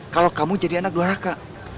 kalau kamu jadi anak dua raka